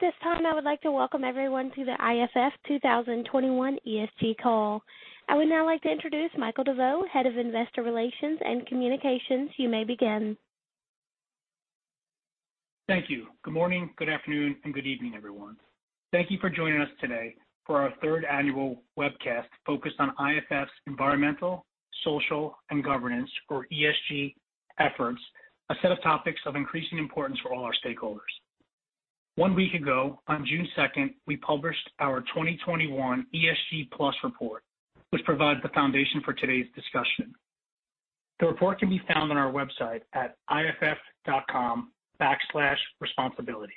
At this time, I would like to welcome everyone to the IFF 2021 ESG call. I would now like to introduce Michael DeVeau, Head of Investor Relations and Communications. You may begin. Thank you. Good morning, good afternoon, and good evening, everyone. Thank you for joining us today for our third annual webcast focused on IFF's Environmental, Social, and Governance, or ESG efforts, a set of topics of increasing importance for all our stakeholders. One week ago, on June 2, we published our 2021 ESG Plus report, which provides the foundation for today's discussion. The report can be found on our website at iff.com/responsibilities.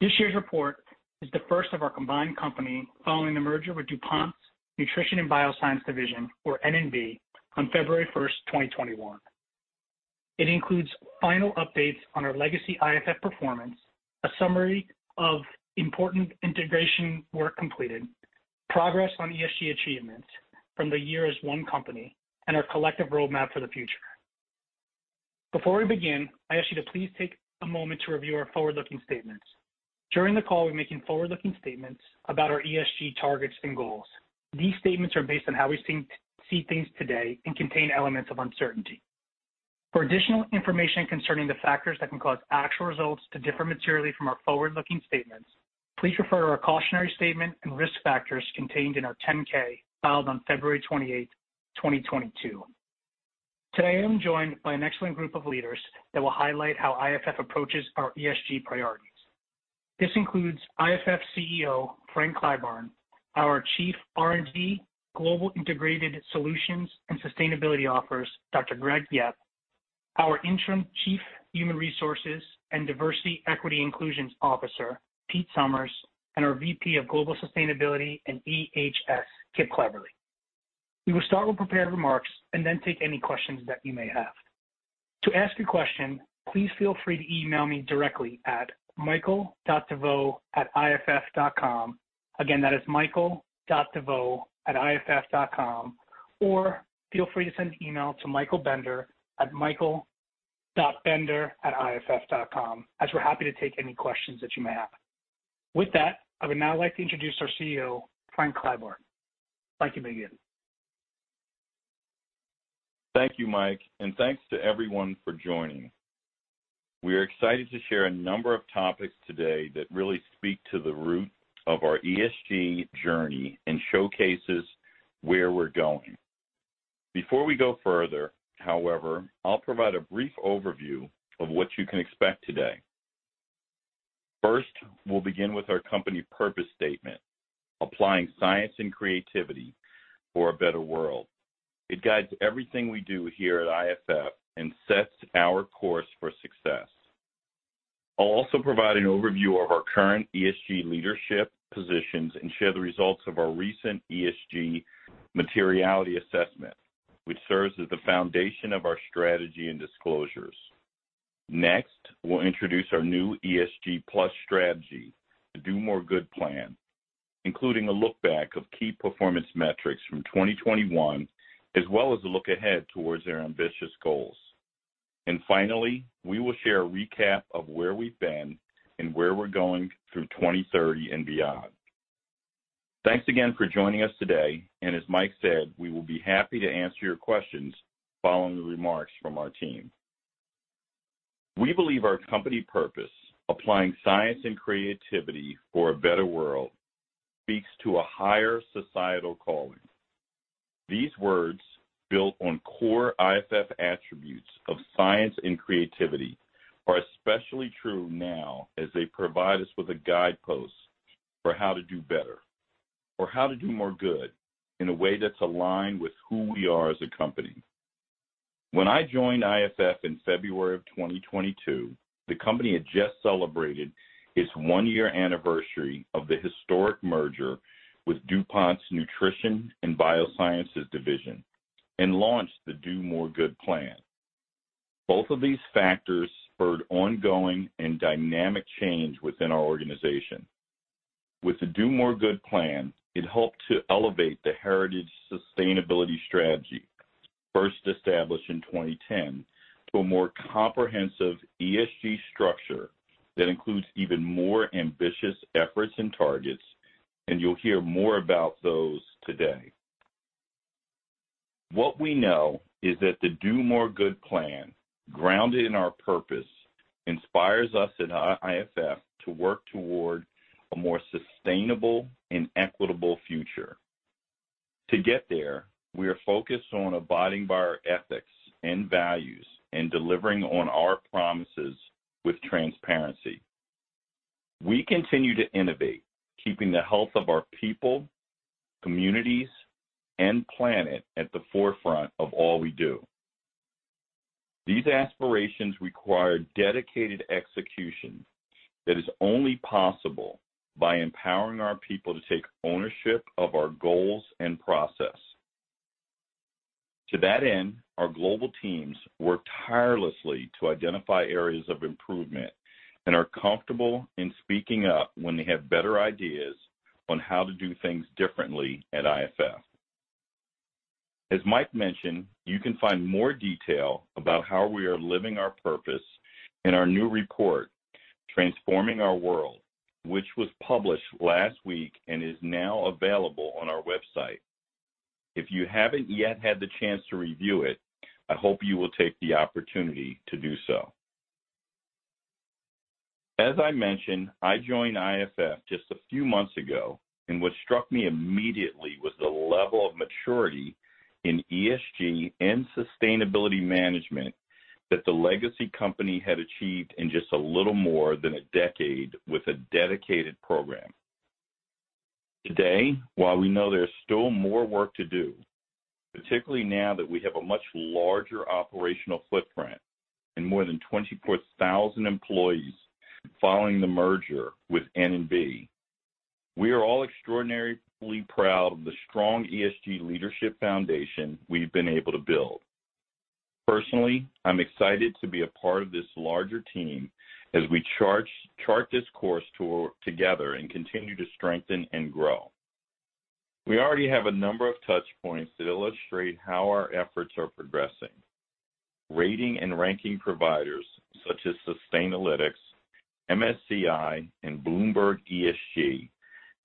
This year's report is the first of our combined company following the merger with DuPont's Nutrition & Biosciences Division, or N&B, on February 1, 2021. It includes final updates on our legacy IFF performance, a summary of important integration work completed, progress on ESG achievements from the year as one company, and our collective roadmap for the future. Before we begin, I ask you to please take a moment to review our forward-looking statements. During the call, we're making forward-looking statements about our ESG targets and goals. These statements are based on how we seem to see things today and contain elements of uncertainty. For additional information concerning the factors that can cause actual results to differ materially from our forward-looking statements, please refer to our cautionary statement and risk factors contained in our 10-K filed on February twenty-eight, 2022. Today, I'm joined by an excellent group of leaders that will highlight how IFF approaches our ESG priorities. This includes IFF CEO Frank Clyburn, our Chief R&D, Global Integrated Solutions and Sustainability Officer, Dr. Gregory Yep, our Interim Chief Human Resources and Diversity, Equity, Inclusion Officer, Peter Sommers, and our VP of Global Sustainability and EHS, Kip Cleverley. We will start with prepared remarks and then take any questions that you may have. To ask a question, please feel free to email me directly at michael.deveau@iff.com. Again, that is michael.deveau@iff.com, or feel free to send an email to Michael Bender at michael.bender@iff.com, as we're happy to take any questions that you may have. With that, I would now like to introduce our CEO, Frank Clyburn. Frank, you may begin. Thank you, Mike, and thanks to everyone for joining. We are excited to share a number of topics today that really speak to the root of our ESG journey and showcases where we're going. Before we go further, however, I'll provide a brief overview of what you can expect today. First, we'll begin with our company purpose statement, applying science and creativity for a better world. It guides everything we do here at IFF and sets our course for success. I'll also provide an overview of our current ESG leadership positions and share the results of our recent ESG materiality assessment, which serves as the foundation of our strategy and disclosures. Next, we'll introduce our new ESG Plus strategy, the Do More Good Plan, including a look back of key performance metrics from 2021, as well as a look ahead towards their ambitious goals. Finally, we will share a recap of where we've been and where we're going through 2030 and beyond. Thanks again for joining us today, and as Mike said, we will be happy to answer your questions following the remarks from our team. We believe our company purpose, applying science and creativity for a better world, speaks to a higher societal calling. These words, built on core IFF attributes of science and creativity, are especially true now as they provide us with a guidepost for how to do better or how to do more good in a way that's aligned with who we are as a company. When I joined IFF in February of 2022, the company had just celebrated its one-year anniversary of the historic merger with DuPont's Nutrition & Biosciences Division and launched the Do More Good Plan. Both of these factors spurred ongoing and dynamic change within our organization. With the Do More Good Plan, it helped to elevate the heritage sustainability strategy, first established in 2010, to a more comprehensive ESG structure that includes even more ambitious efforts and targets, and you'll hear more about those today. What we know is that the Do More Good Plan, grounded in our purpose, inspires us at IFF to work toward a more sustainable and equitable future. To get there, we are focused on abiding by our ethics and values and delivering on our promises with transparency. We continue to innovate, keeping the health of our people, communities, and planet at the forefront of all we do. These aspirations require dedicated execution that is only possible by empowering our people to take ownership of our goals and process. To that end, our global teams work tirelessly to identify areas of improvement and are comfortable in speaking up when they have better ideas on how to do things differently at IFF. As Mike mentioned, you can find more detail about how we are living our purpose in our new report, Transforming Our World, which was published last week and is now available on our website. If you haven't yet had the chance to review it, I hope you will take the opportunity to do so. As I mentioned, I joined IFF just a few months ago, and what struck me immediately was the level of maturity in ESG and sustainability management that the legacy company had achieved in just a little more than a decade with a dedicated program. Today, while we know there's still more work to do, particularly now that we have a much larger operational footprint and more than 24,000 employees following the merger with N&B, we are all extraordinarily proud of the strong ESG leadership foundation we've been able to build. Personally, I'm excited to be a part of this larger team as we chart this course together and continue to strengthen and grow. We already have a number of touch points that illustrate how our efforts are progressing. Rating and ranking providers such as Sustainalytics, MSCI, and Bloomberg ESG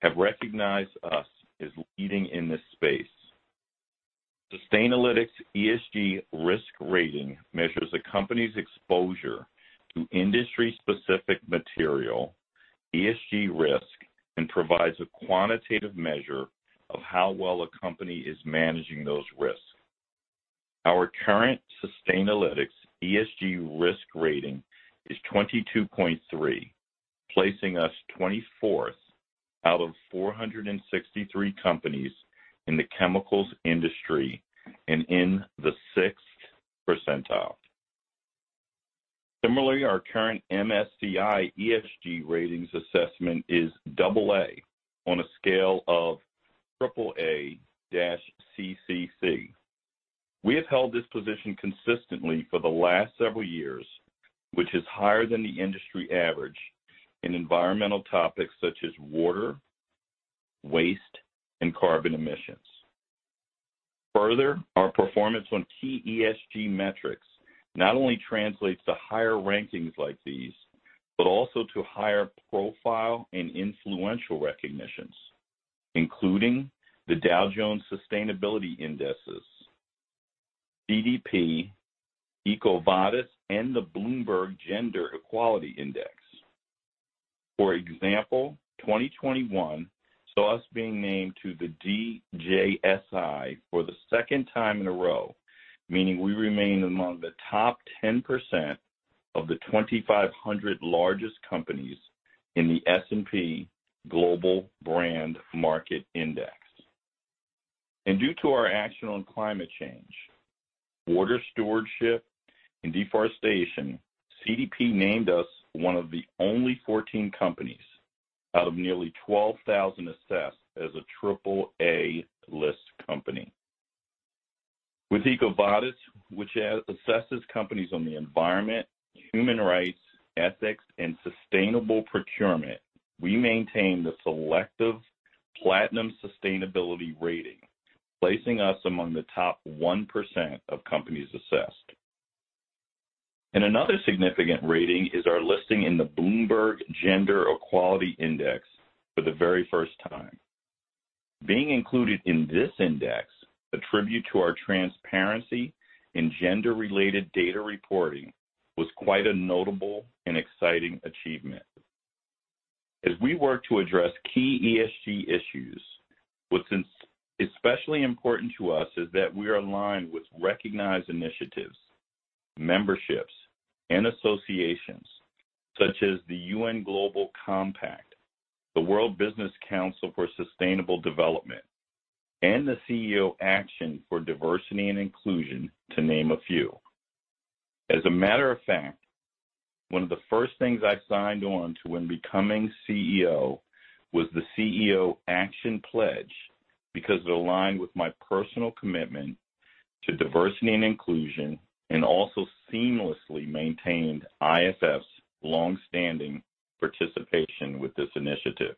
have recognized us as leading in this space. Sustainalytics ESG risk rating measures a company's exposure to industry-specific material, ESG risk, and provides a quantitative measure of how well a company is managing those risks. Our current Sustainalytics ESG risk rating is 22.3, placing us 24th out of 463 companies in the chemicals industry and in the 6th percentile. Similarly, our current MSCI ESG ratings assessment is AA on a scale of AAA-CCC. We have held this position consistently for the last several years, which is higher than the industry average in environmental topics such as water, waste, and carbon emissions. Further, our performance on key ESG metrics not only translates to higher rankings like these, but also to higher profile and influential recognitions, including the Dow Jones Sustainability Indices, CDP, EcoVadis, and the Bloomberg Gender-Equality Index. For example, 2021 saw us being named to the DJSI for the second time in a row, meaning we remain among the top 10% of the 2,500 largest companies in the S&P Global Broad Market Index. Due to our action on climate change, water stewardship, and deforestation, CDP named us one of the only 14 companies out of nearly 12,000 assessed as a triple A list company. With EcoVadis, which assesses companies on the environment, human rights, ethics, and sustainable procurement, we maintain the selective platinum sustainability rating, placing us among the top 1% of companies assessed. Another significant rating is our listing in the Bloomberg Gender-Equality Index for the very first time. Being included in this index, attributed to our transparency and gender-related data reporting, was quite a notable and exciting achievement. As we work to address key ESG issues, what's especially important to us is that we are aligned with recognized initiatives, memberships, and associations such as the UN Global Compact, the World Business Council for Sustainable Development, and the CEO Action for Diversity and Inclusion, to name a few. As a matter of fact, one of the first things I signed on to when becoming CEO was the CEO Action Pledge because it aligned with my personal commitment to diversity and inclusion and also seamlessly maintained IFF's longstanding participation with this initiative.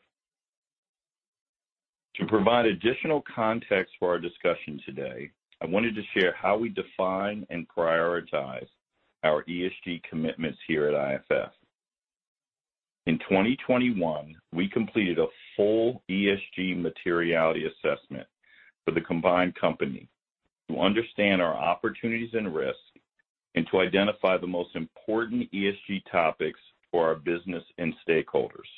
To provide additional context for our discussion today, I wanted to share how we define and prioritize our ESG commitments here at IFF. In 2021, we completed a full ESG materiality assessment for the combined company to understand our opportunities and risks and to identify the most important ESG topics for our business and stakeholders.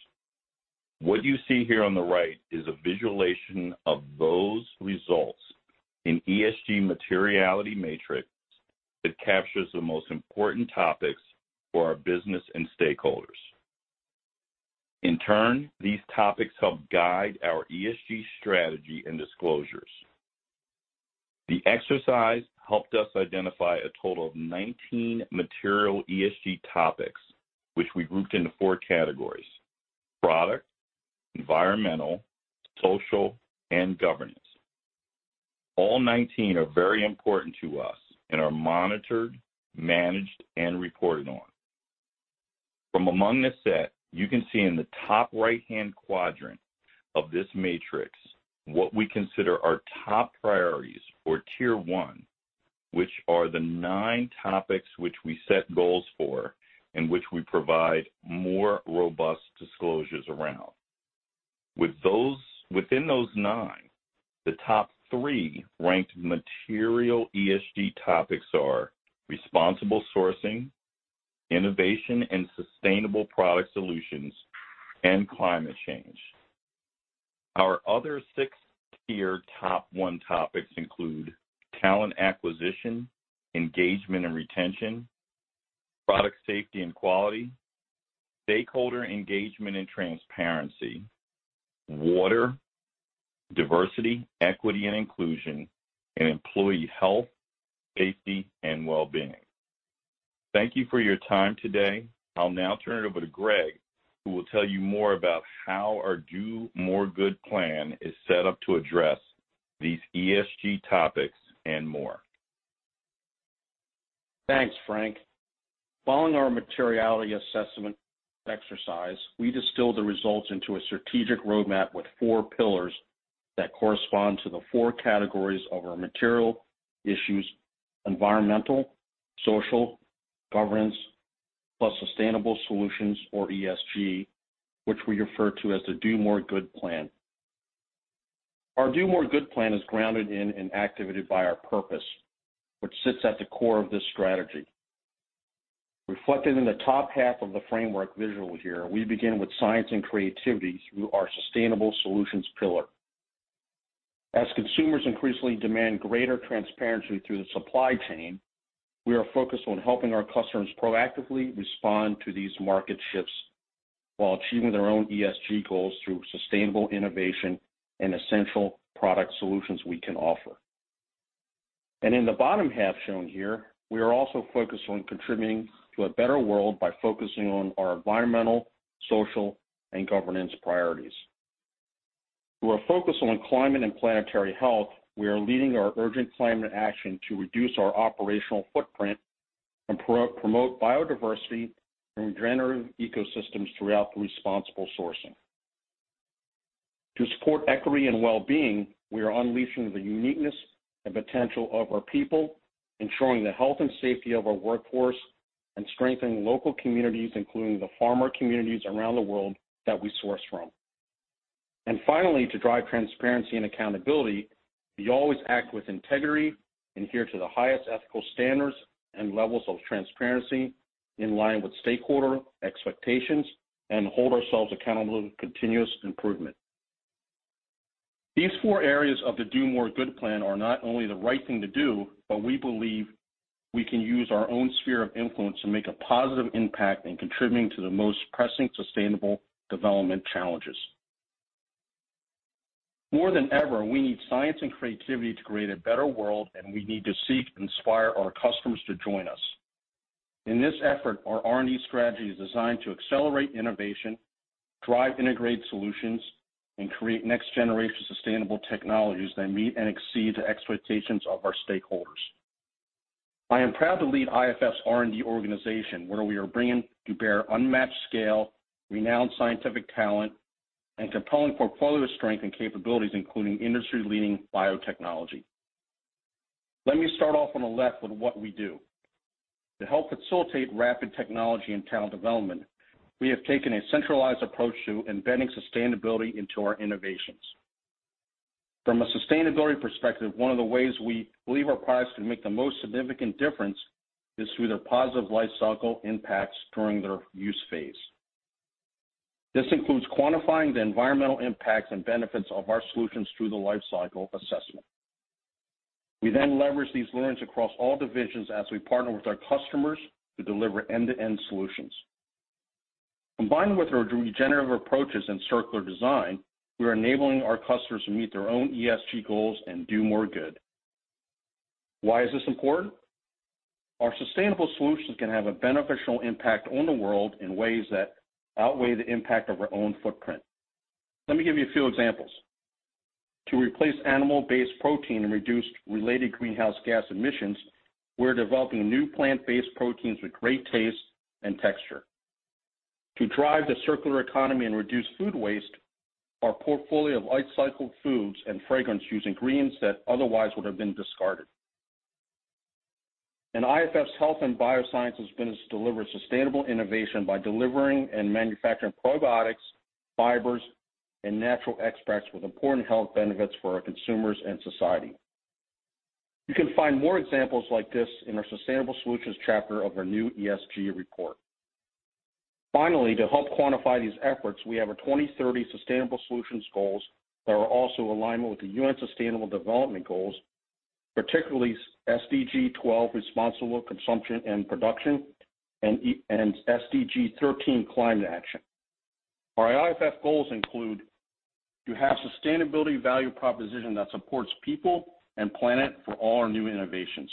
What you see here on the right is a visualization of those results in ESG materiality matrix that captures the most important topics for our business and stakeholders. In turn, these topics help guide our ESG strategy and disclosures. The exercise helped us identify a total of 19 material ESG topics, which we grouped into four categories: product, environmental, social, and governance. All 19 are very important to us and are monitored, managed, and reported on. From among the set, you can see in the top right-hand quadrant of this matrix what we consider our top priorities for tier one, which are the 9 topics which we set goals for and which we provide more robust disclosures around. Within those 9, the top three ranked material ESG topics are responsible sourcing, innovation and sustainable product solutions, and climate change. Our other six tier top one topics include talent acquisition, engagement and retention, product safety and quality, stakeholder engagement and transparency, water, diversity, equity, and inclusion, and employee health, safety, and well-being. Thank you for your time today. I'll now turn it over to Greg, who will tell you more about how our Do More Good Plan is set up to address these ESG topics and more. Thanks, Frank. Following our materiality assessment exercise, we distilled the results into a strategic roadmap with four pillars that correspond to the four categories of our material issues, environmental, social, governance, plus sustainable solutions or ESG, which we refer to as the Do More Good Plan. Our Do More Good Plan is grounded in and activated by our purpose, which sits at the core of this strategy. Reflected in the top half of the framework visual here, we begin with science and creativity through our sustainable solutions pillar. As consumers increasingly demand greater transparency through the supply chain, we are focused on helping our customers proactively respond to these market shifts while achieving their own ESG goals through sustainable innovation and essential product solutions we can offer. In the bottom half shown here, we are also focused on contributing to a better world by focusing on our environmental, social, and governance priorities. Through our focus on climate and planetary health, we are leading our urgent climate action to reduce our operational footprint and promote biodiversity and regenerative ecosystems throughout the responsible sourcing. To support equity and well-being, we are unleashing the uniqueness and potential of our people, ensuring the health and safety of our workforce, and strengthening local communities, including the farmer communities around the world that we source from. Finally, to drive transparency and accountability, we always act with integrity, adhere to the highest ethical standards and levels of transparency in line with stakeholder expectations and hold ourselves accountable to continuous improvement. These four areas of the Do More Good Plan are not only the right thing to do, but we believe we can use our own sphere of influence to make a positive impact in contributing to the most pressing sustainable development challenges. More than ever, we need science and creativity to create a better world, and we need to seek and inspire our customers to join us. In this effort, our R&D strategy is designed to accelerate innovation, drive integrated solutions, and create next-generation sustainable technologies that meet and exceed the expectations of our stakeholders. I am proud to lead IFF's R&D organization, where we are bringing to bear unmatched scale, renowned scientific talent, and compelling portfolio strength and capabilities, including industry-leading biotechnology. Let me start off on the left with what we do. To help facilitate rapid technology and talent development, we have taken a centralized approach to embedding sustainability into our innovations. From a sustainability perspective, one of the ways we believe our products can make the most significant difference is through their positive lifecycle impacts during their use phase. This includes quantifying the environmental impacts and benefits of our solutions through the lifecycle assessment. We then leverage these learnings across all divisions as we partner with our customers to deliver end-to-end solutions. Combined with our regenerative approaches and circular design, we are enabling our customers to meet their own ESG goals and do more good. Why is this important? Our sustainable solutions can have a beneficial impact on the world in ways that outweigh the impact of our own footprint. Let me give you a few examples. To replace animal-based protein and reduce related greenhouse gas emissions, we're developing new plant-based proteins with great taste and texture. To drive the circular economy and reduce food waste, our portfolio of upcycled foods and fragrance use ingredients that otherwise would have been discarded. IFF's health and biosciences business delivers sustainable innovation by delivering and manufacturing probiotics, fibers, and natural extracts with important health benefits for our consumers and society. You can find more examples like this in our Sustainable Solutions chapter of our new ESG report. Finally, to help quantify these efforts, we have our 2030 sustainable solutions goals that are also aligned with the UN Sustainable Development Goals, particularly SDG 12 Responsible Consumption and Production and SDG 13 Climate Action. Our IFF goals include to have sustainability value proposition that supports people and planet for all our new innovations,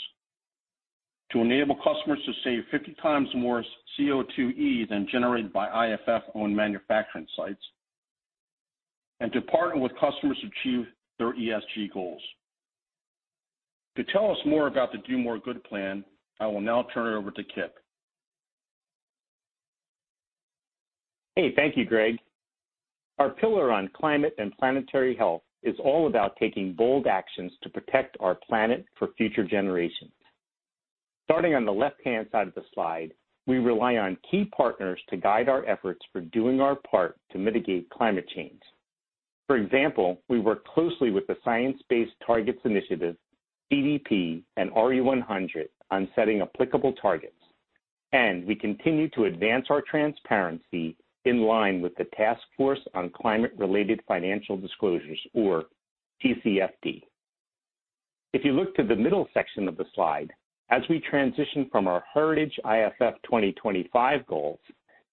to enable customers to save 50 times more CO2e than generated by IFF-owned manufacturing sites, and to partner with customers to achieve their ESG goals. To tell us more about the Do More Good Plan, I will now turn it over to Kip. Hey, thank you, Greg. Our pillar on climate and planetary health is all about taking bold actions to protect our planet for future generations. Starting on the left-hand side of the slide, we rely on key partners to guide our efforts for doing our part to mitigate climate change. For example, we work closely with the Science-Based Targets initiative, CDP, and RE100 on setting applicable targets. We continue to advance our transparency in line with the Task Force on Climate-related Financial Disclosures or TCFD. If you look to the middle section of the slide, as we transition from our Heritage IFF 2025 goals,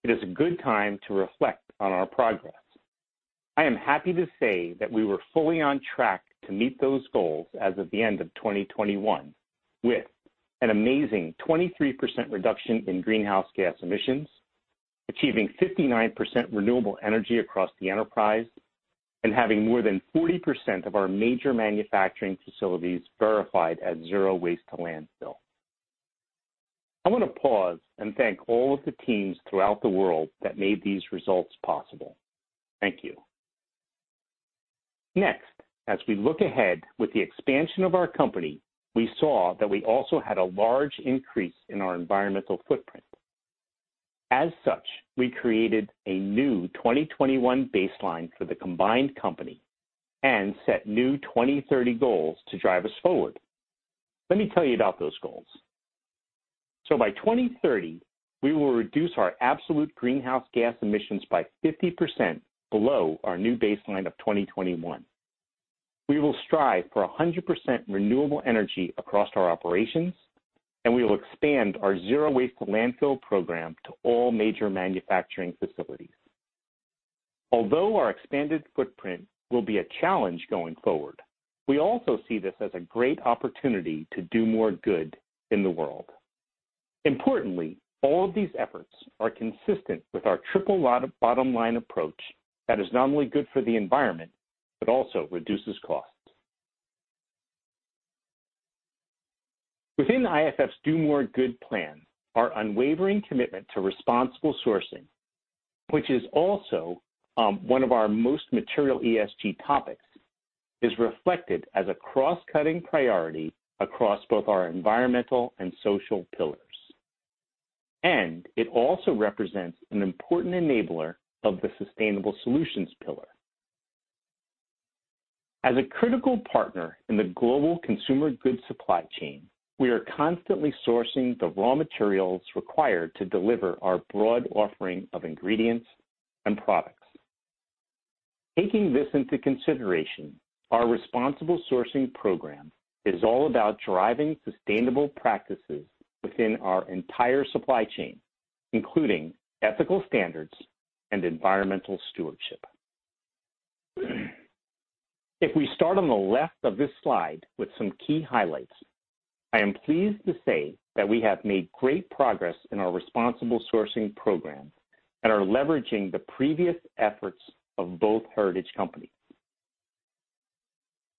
it is a good time to reflect on our progress. I am happy to say that we were fully on track to meet those goals as of the end of 2021, with an amazing 23% reduction in greenhouse gas emissions, achieving 59% renewable energy across the enterprise, and having more than 40% of our major manufacturing facilities verified as zero waste to landfill. I wanna pause and thank all of the teams throughout the world that made these results possible. Thank you. Next, as we look ahead with the expansion of our company, we saw that we also had a large increase in our environmental footprint. As such, we created a new 2021 baseline for the combined company and set new 2030 goals to drive us forward. Let me tell you about those goals. By 2030, we will reduce our absolute greenhouse gas emissions by 50% below our new baseline of 2021. We will strive for 100% renewable energy across our operations, and we will expand our zero waste to landfill program to all major manufacturing facilities. Although our expanded footprint will be a challenge going forward, we also see this as a great opportunity to do more good in the world. Importantly, all of these efforts are consistent with our triple bottom line approach that is not only good for the environment but also reduces costs. Within IFF's Do More Good Plan, our unwavering commitment to responsible sourcing, which is also one of our most material ESG topics, is reflected as a cross-cutting priority across both our environmental and social pillars. It also represents an important enabler of the sustainable solutions pillar. As a critical partner in the global consumer goods supply chain, we are constantly sourcing the raw materials required to deliver our broad offering of ingredients and products. Taking this into consideration, our responsible sourcing program is all about driving sustainable practices within our entire supply chain, including ethical standards and environmental stewardship. If we start on the left of this slide with some key highlights, I am pleased to say that we have made great progress in our responsible sourcing program and are leveraging the previous efforts of both Heritage companies.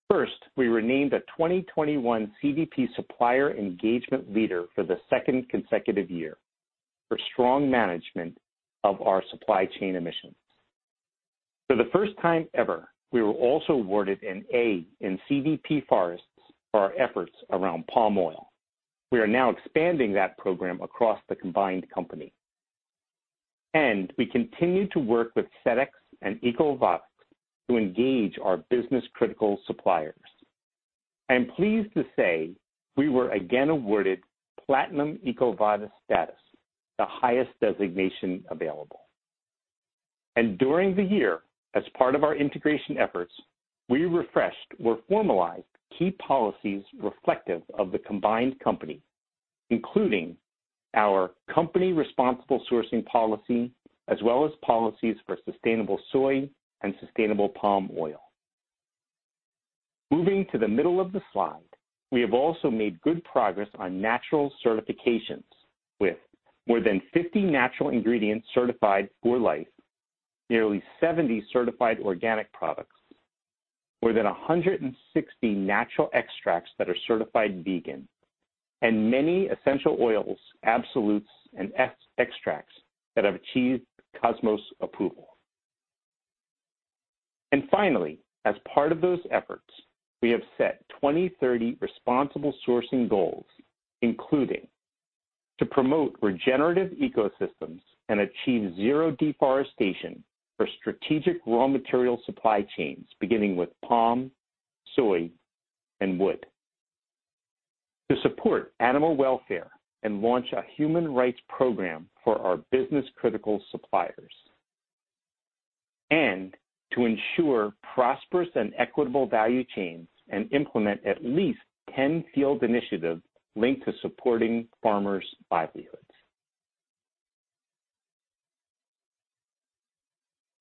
First, we were named a 2021 CDP Supplier Engagement Leader for the second consecutive year for strong management of our supply chain emissions. For the first time ever, we were also awarded an A in CDP Forests for our efforts around palm oil. We are now expanding that program across the combined company. We continue to work with Sedex and EcoVadis to engage our business-critical suppliers. I am pleased to say we were again awarded platinum EcoVadis status, the highest designation available. During the year, as part of our integration efforts, we refreshed or formalized key policies reflective of the combined company, including our company responsible sourcing policy, as well as policies for sustainable soy and sustainable palm oil. Moving to the middle of the slide, we have also made good progress on natural certifications. With more than 50 natural ingredients certified for life, nearly 70 certified organic products, more than 160 natural extracts that are certified vegan, and many essential oils, absolutes, and extracts that have achieved COSMOS approval. Finally, as part of those efforts, we have set 2030 responsible sourcing goals, including to promote regenerative ecosystems and achieve zero deforestation for strategic raw material supply chains, beginning with palm, soy, and wood. To support animal welfare and launch a human rights program for our business-critical suppliers. To ensure prosperous and equitable value chains and implement at least 10 field initiatives linked to supporting farmers' livelihoods.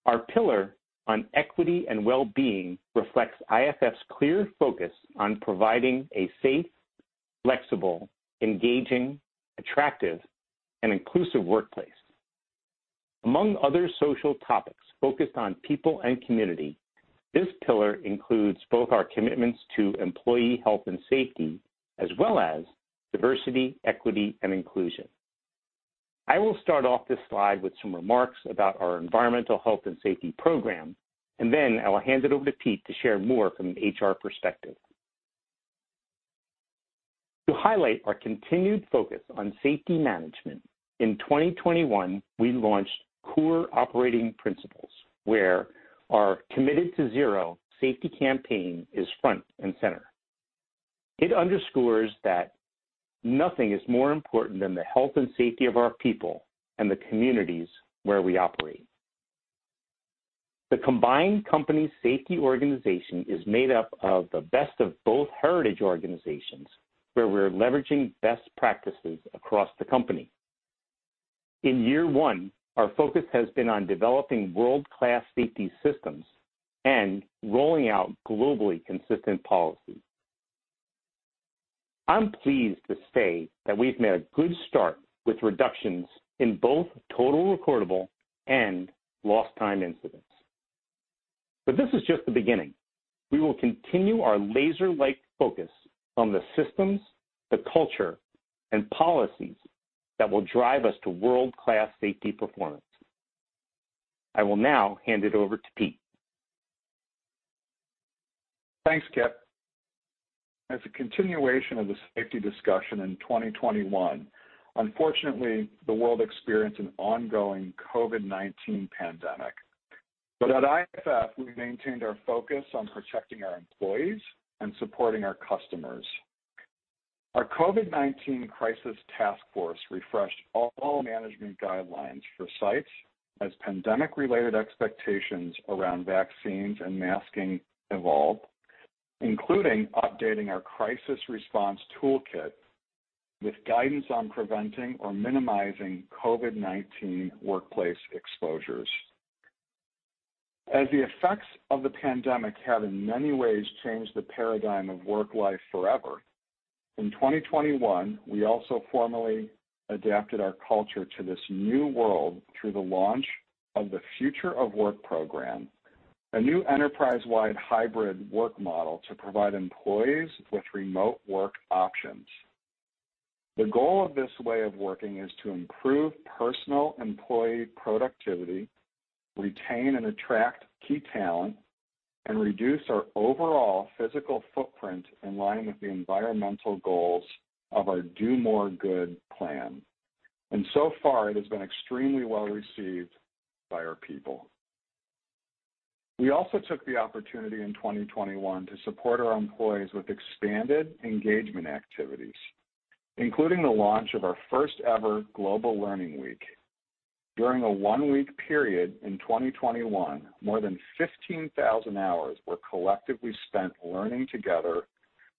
Our pillar on equity and well-being reflects IFF's clear focus on providing a safe, flexible, engaging, attractive, and inclusive workplace. Among other social topics focused on people and community, this pillar includes both our commitments to employee health and safety as well as diversity, equity and inclusion. I will start off this slide with some remarks about our environmental health and safety program, and then I will hand it over to Pete to share more from an HR perspective. To highlight our continued focus on safety management, in 2021, we launched core operating principles, where our Committed to Zero safety campaign is front and center. It underscores that nothing is more important than the health and safety of our people and the communities where we operate. The combined company safety organization is made up of the best of both heritage organizations, where we're leveraging best practices across the company. In year one, our focus has been on developing world-class safety systems and rolling out globally consistent policies. I'm pleased to say that we've made a good start with reductions in both total recordable and lost time incidents. This is just the beginning. We will continue our laser-like focus on the systems, the culture, and policies that will drive us to world-class safety performance. I will now hand it over to Pete. Thanks, Kip. As a continuation of the safety discussion in 2021, unfortunately, the world experienced an ongoing COVID-19 pandemic. At IFF, we maintained our focus on protecting our employees and supporting our customers. Our COVID-19 crisis task force refreshed all management guidelines for sites as pandemic-related expectations around vaccines and masking evolved, including updating our crisis response toolkit with guidance on preventing or minimizing COVID-19 workplace exposures. As the effects of the pandemic have in many ways changed the paradigm of work life forever, in 2021, we also formally adapted our culture to this new world through the launch of the Future of Work program, a new enterprise-wide hybrid work model to provide employees with remote work options. The goal of this way of working is to improve personal employee productivity, retain and attract key talent, and reduce our overall physical footprint in line with the environmental goals of our Do More Good Plan. So far, it has been extremely well received by our people. We also took the opportunity in 2021 to support our employees with expanded engagement activities, including the launch of our first ever global learning week. During a one-week period in 2021, more than 15,000 hours were collectively spent learning together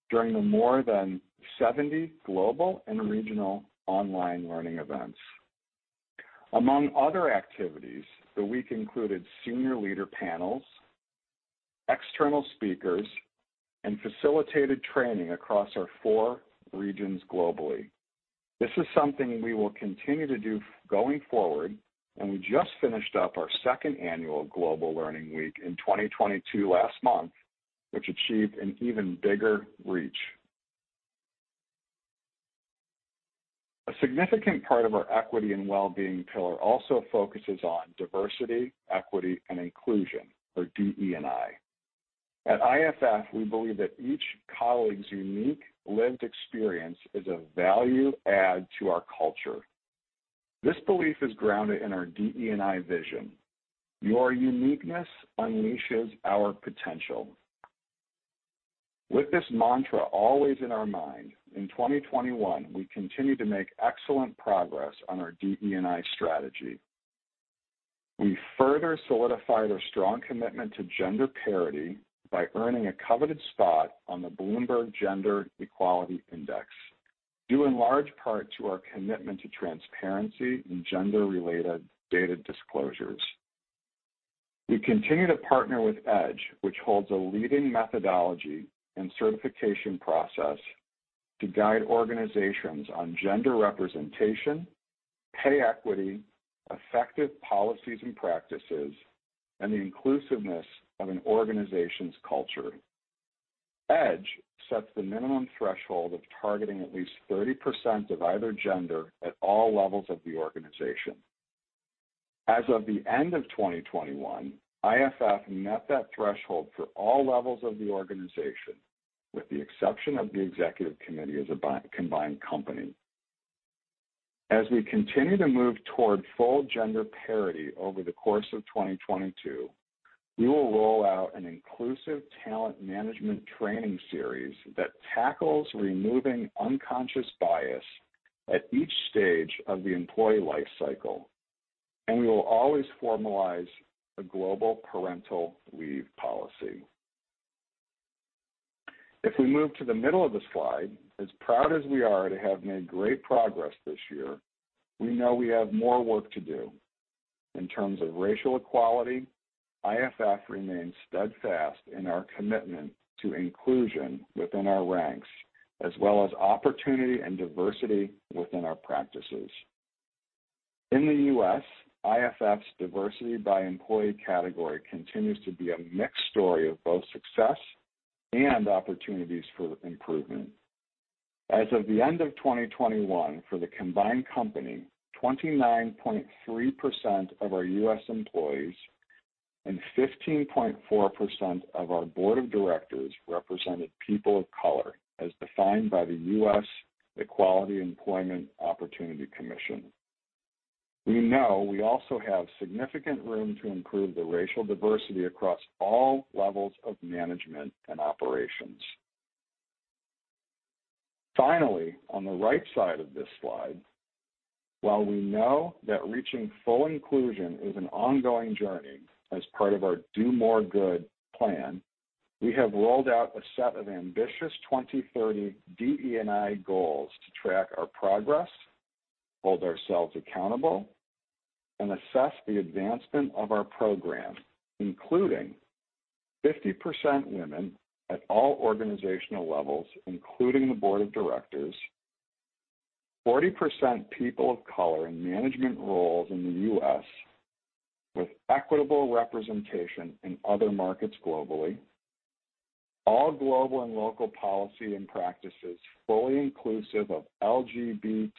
during the more than 70 global and regional online learning events. Among other activities, the week included senior leader panels, external speakers, and facilitated training across our four regions globally. This is something we will continue to do going forward, and we just finished up our second annual global learning week in 2022 last month, which achieved an even bigger reach. A significant part of our equity and well-being pillar also focuses on diversity, equity, and inclusion, or DE&I. At IFF, we believe that each colleague's unique lived experience is a value add to our culture. This belief is grounded in our DE&I vision. Your uniqueness unleashes our potential. With this mantra always in our mind, in 2021, we continued to make excellent progress on our DE&I strategy. We further solidified our strong commitment to gender parity by earning a coveted spot on the Bloomberg Gender-Equality Index, due in large part to our commitment to transparency in gender-related data disclosures. We continue to partner with EDGE, which holds a leading methodology and certification process to guide organizations on gender representation, pay equity, effective policies and practices, and the inclusiveness of an organization's culture. EDGE sets the minimum threshold of targeting at least 30% of either gender at all levels of the organization. As of the end of 2021, IFF met that threshold for all levels of the organization, with the exception of the executive committee as a combined company. As we continue to move toward full gender parity over the course of 2022, we will roll out an inclusive talent management training series that tackles removing unconscious bias at each stage of the employee life cycle, and we will always formalize a global parental leave policy. If we move to the middle of the slide, as proud as we are to have made great progress this year, we know we have more work to do in terms of racial equality. IFF remains steadfast in our commitment to inclusion within our ranks, as well as opportunity and diversity within our practices. In the U.S., IFF's diversity by employee category continues to be a mixed story of both success and opportunities for improvement. As of the end of 2021, for the combined company, 29.3% of our U.S. employees and 15.4% of our board of directors represented people of color as defined by the U.S. Equal Employment Opportunity Commission. We know we also have significant room to improve the racial diversity across all levels of management and operations. Finally, on the right side of this slide, while we know that reaching full inclusion is an ongoing journey as part of our Do More Good Plan, we have rolled out a set of ambitious 2030 DE&I goals to track our progress, hold ourselves accountable, and assess the advancement of our program, including 50% women at all organizational levels, including the board of directors. 40% people of color in management roles in the U.S. with equitable representation in other markets globally. All global and local policy and practices fully inclusive of LGBTIQ+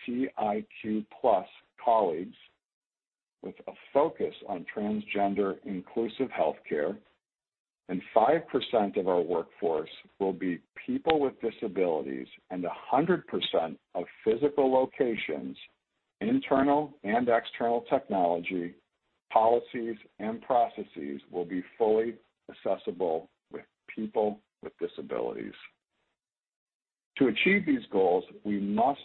colleagues with a focus on transgender inclusive healthcare. Five percent of our workforce will be people with disabilities, and 100% of physical locations, internal and external technology, policies and processes will be fully accessible with people with disabilities. To achieve these goals, we must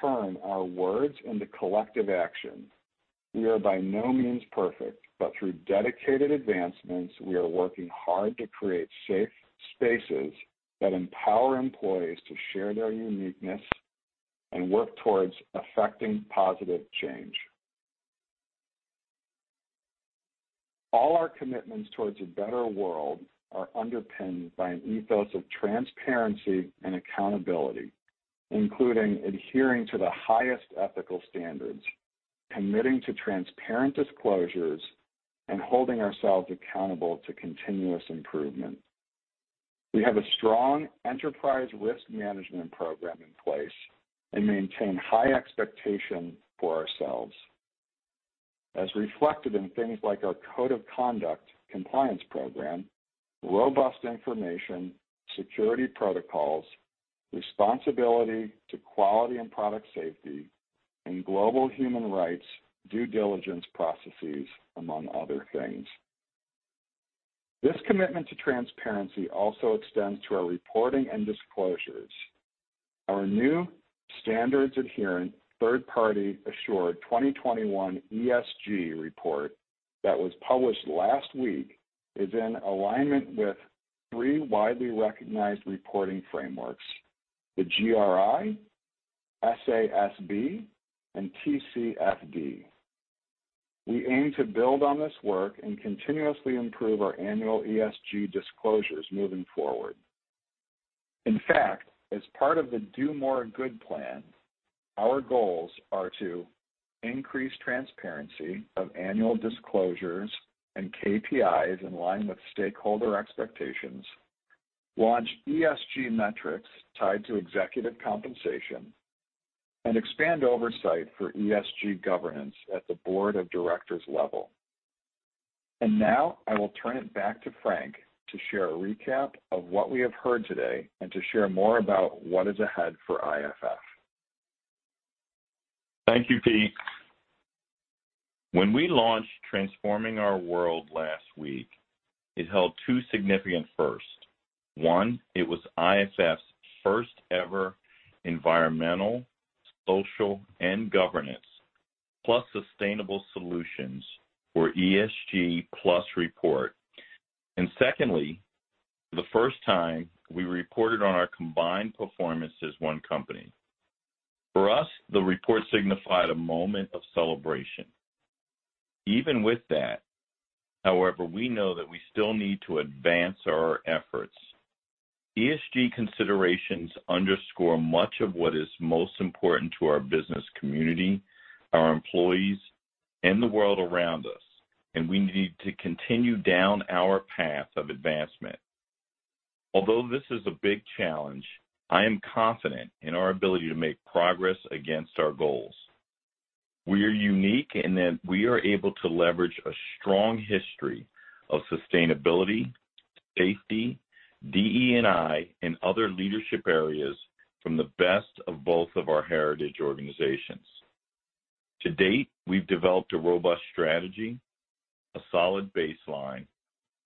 turn our words into collective action. We are by no means perfect, but through dedicated advancements, we are working hard to create safe spaces that empower employees to share their uniqueness and work towards effecting positive change. All our commitments towards a better world are underpinned by an ethos of transparency and accountability, including adhering to the highest ethical standards, committing to transparent disclosures, and holding ourselves accountable to continuous improvement. We have a strong enterprise risk management program in place and maintain high expectations for ourselves as reflected in things like our code of conduct compliance program, robust information security protocols, responsibility to quality and product safety, and global human rights due diligence processes, among other things. This commitment to transparency also extends to our reporting and disclosures. Our new standards adherent third-party assured 2021 ESG report that was published last week is in alignment with three widely recognized reporting frameworks, the GRI, SASB, and TCFD. We aim to build on this work and continuously improve our annual ESG disclosures moving forward. In fact, as part of the Do More Good Plan, our goals are to increase transparency of annual disclosures and KPIs in line with stakeholder expectations, launch ESG metrics tied to executive compensation, and expand oversight for ESG governance at the board of directors level. Now I will turn it back to Frank to share a recap of what we have heard today and to share more about what is ahead for IFF. Thank you, Pete. When we launched Transforming Our World last week, it held two significant firsts. One, it was IFF's first ever environmental, social, and governance, plus sustainable solutions for ESG plus report. Secondly, for the first time, we reported on our combined performance as one company. For us, the report signified a moment of celebration. Even with that, however, we know that we still need to advance our efforts. ESG considerations underscore much of what is most important to our business community, our employees, and the world around us, and we need to continue down our path of advancement. Although this is a big challenge, I am confident in our ability to make progress against our goals. We are unique in that we are able to leverage a strong history of sustainability, safety, DE&I, and other leadership areas from the best of both of our heritage organizations. To date, we've developed a robust strategy, a solid baseline,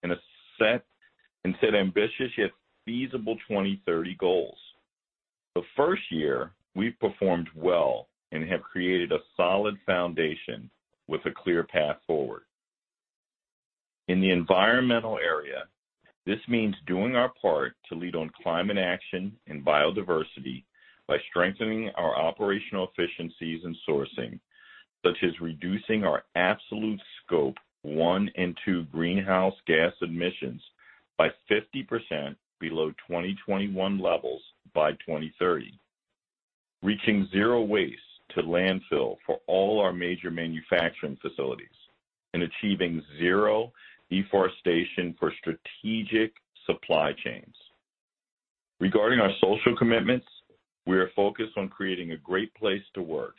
and set ambitious yet feasible 2030 goals. The first year, we've performed well and have created a solid foundation with a clear path forward. In the environmental area. This means doing our part to lead on climate action and biodiversity by strengthening our operational efficiencies and sourcing, such as reducing our absolute scope one and two greenhouse gas emissions by 50% below 2021 levels by 2030. Reaching zero waste to landfill for all our major manufacturing facilities, and achieving zero deforestation for strategic supply chains. Regarding our social commitments, we are focused on creating a great place to work,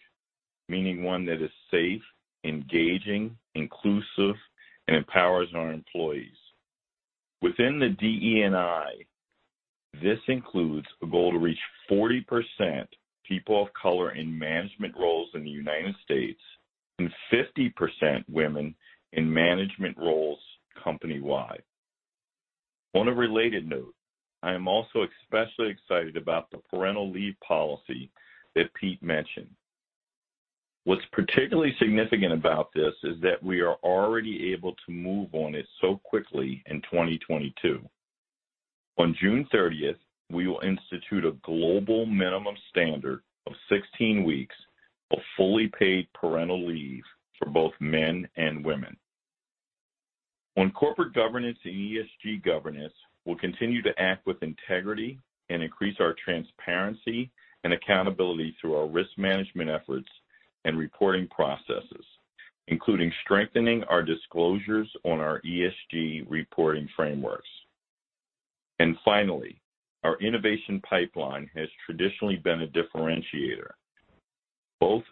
meaning one that is safe, engaging, inclusive, and empowers our employees. Within the DE&I, this includes a goal to reach 40% people of color in management roles in the United States, and 50% women in management roles company-wide. On a related note, I am also especially excited about the parental leave policy that Pete mentioned. What's particularly significant about this is that we are already able to move on it so quickly in 2022. On June thirtieth, we will institute a global minimum standard of 16 weeks of fully paid parental leave for both men and women. On corporate governance and ESG governance, we'll continue to act with integrity and increase our transparency and accountability through our risk management efforts and reporting processes, including strengthening our disclosures on our ESG reporting frameworks. Finally, our innovation pipeline has traditionally been a differentiator.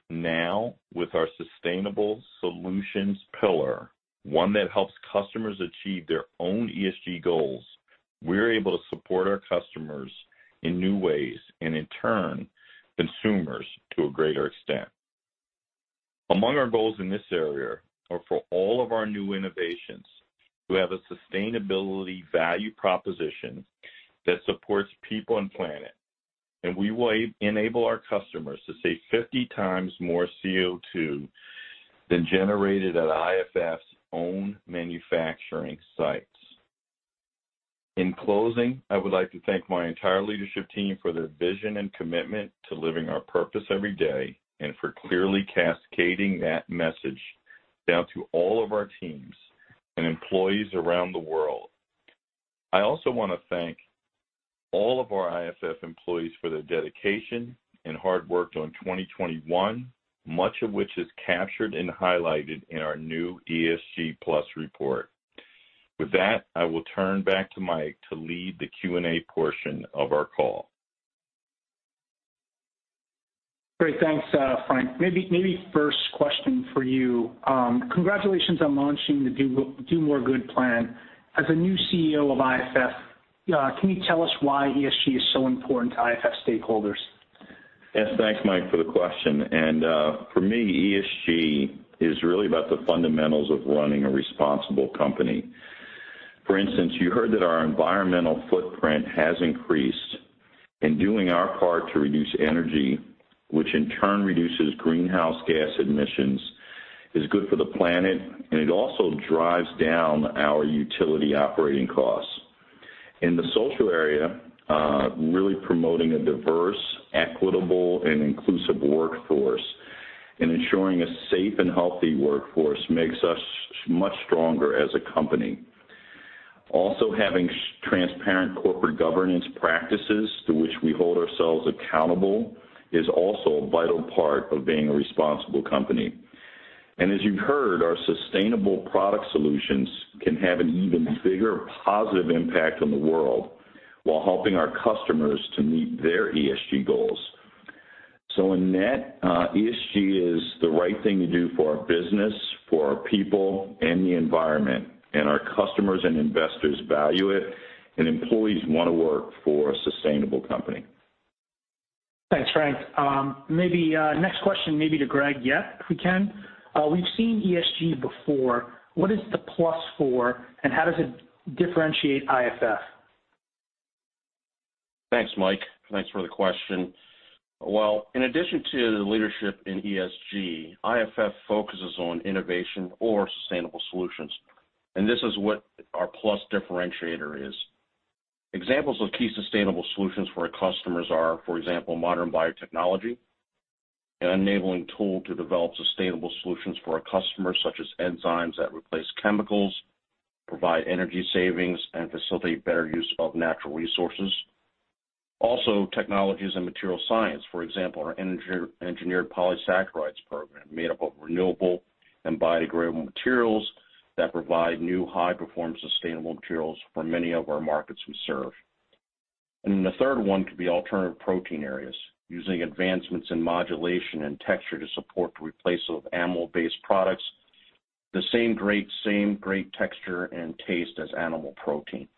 Now, with our sustainable solutions pillar, one that helps customers achieve their own ESG goals, we're able to support our customers in new ways and in turn, consumers to a greater extent. Among our goals in this area are for all of our new innovations to have a sustainability value proposition that supports people and planet, and we will enable our customers to save 50 times more CO2 than generated at IFF's own manufacturing sites. In closing, I would like to thank my entire leadership team for their vision and commitment to living our purpose every day, and for clearly cascading that message down to all of our teams and employees around the world. I also wanna thank all of our IFF employees for their dedication and hard work on 2021, much of which is captured and highlighted in our new ESG+ report. With that, I will turn back to Mike to lead the Q&A portion of our call. Great. Thanks, Frank. Maybe first question for you. Congratulations on launching the Do More Good plan. As a new CEO of IFF, can you tell us why ESG is so important to IFF stakeholders? Yes. Thanks, Mike, for the question. For me, ESG is really about the fundamentals of running a responsible company. For instance, you heard that our environmental footprint has increased. In doing our part to reduce energy, which in turn reduces greenhouse gas emissions, is good for the planet, and it also drives down our utility operating costs. In the social area, really promoting a diverse, equitable, and inclusive workforce and ensuring a safe and healthy workforce makes us much stronger as a company. Also, having transparent corporate governance practices to which we hold ourselves accountable is also a vital part of being a responsible company. As you've heard, our sustainable product solutions can have an even bigger, positive impact on the world while helping our customers to meet their ESG goals. In net, ESG is the right thing to do for our business, for our people, and the environment, and our customers and investors value it, and employees wanna work for a sustainable company. Thanks, Frank. Maybe next question to Greg Yep, if we can. We've seen ESG before. What is the plus for, and how does it differentiate IFF? Thanks, Mike. Thanks for the question. Well, in addition to the leadership in ESG, IFF focuses on innovation or sustainable solutions, and this is what our plus differentiator is. Examples of key sustainable solutions for our customers are, for example, modern biotechnology, an enabling tool to develop sustainable solutions for our customers, such as enzymes that replace chemicals, provide energy savings, and facilitate better use of natural resources. Also, technologies and material science, for example, our engineered polysaccharides program, made up of renewable and biodegradable materials that provide new high-performance sustainable materials for many of our markets we serve. The third one could be alternative protein areas, using advancements in modulation and texture to support the replacement of animal-based products. The same great texture and taste as animal protein.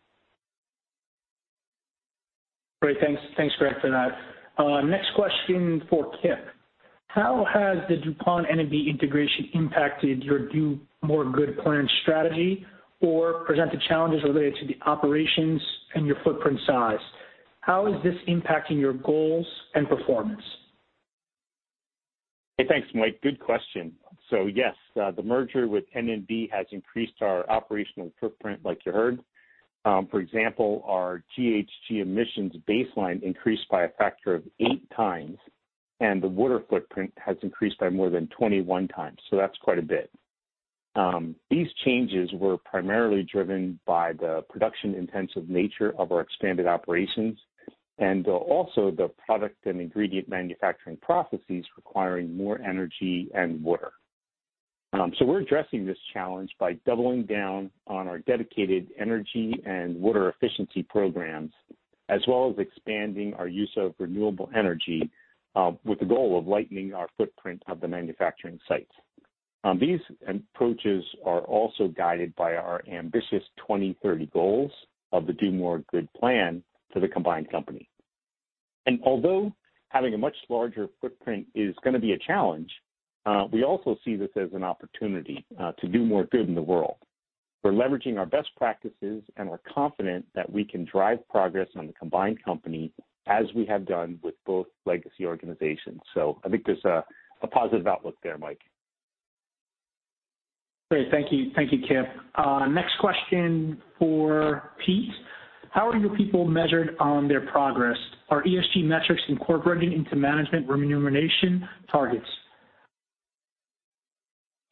Great. Thanks. Thanks, Greg, for that. Next question for Kip. How has the DuPont N&B integration impacted your Do More Good Plan strategy or presented challenges related to the operations and your footprint size? How is this impacting your goals and performance? Hey, thanks, Mike. Good question. Yes, the merger with N&B has increased our operational footprint like you heard. For example, our GHG emissions baseline increased by a factor of 8 times, and the water footprint has increased by more than 21 times, so that's quite a bit. These changes were primarily driven by the production-intensive nature of our expanded operations and also the product and ingredient manufacturing processes requiring more energy and water. We're addressing this challenge by doubling down on our dedicated energy and water efficiency programs, as well as expanding our use of renewable energy, with the goal of lightening our footprint of the manufacturing sites. These approaches are also guided by our ambitious 2030 goals of the Do More Good Plan for the combined company. Although having a much larger footprint is gonna be a challenge, we also see this as an opportunity to do more good in the world. We're leveraging our best practices and are confident that we can drive progress on the combined company as we have done with both legacy organizations. I think there's a positive outlook there, Mike. Great. Thank you. Thank you, Kip. Next question for Pete. How are your people measured on their progress? Are ESG metrics incorporating into management remuneration targets?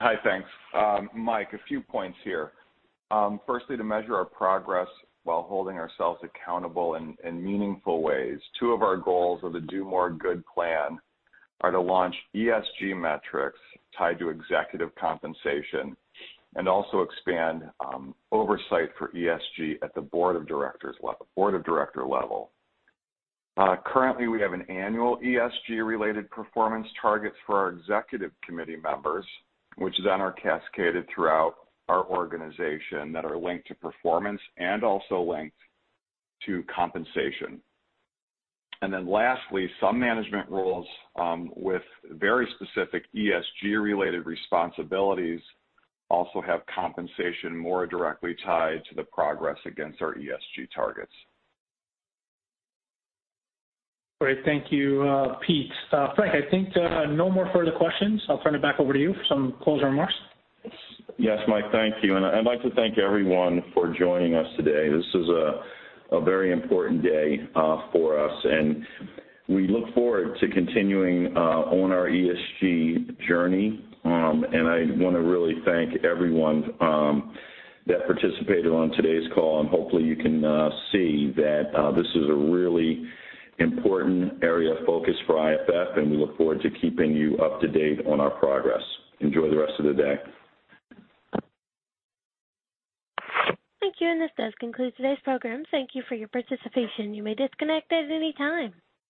Hi. Thanks. Mike, a few points here. Firstly, to measure our progress while holding ourselves accountable in meaningful ways, two of our goals of the Do More Good Plan are to launch ESG metrics tied to executive compensation and also expand oversight for ESG at the board of director level. Currently, we have annual ESG-related performance targets for our executive committee members, which then are cascaded throughout our organization that are linked to performance and also linked to compensation. Lastly, some management roles with very specific ESG-related responsibilities also have compensation more directly tied to the progress against our ESG targets. Great. Thank you, Pete. Frank, I think, no more further questions. I'll turn it back over to you for some closing remarks. Yes, Mike. Thank you. I'd like to thank everyone for joining us today. This is a very important day for us, and we look forward to continuing on our ESG journey. I wanna really thank everyone that participated on today's call. Hopefully, you can see that this is a really important area of focus for IFF, and we look forward to keeping you up to date on our progress. Enjoy the rest of the day. Thank you, and this does conclude today's program. Thank you for your participation. You may disconnect at any time.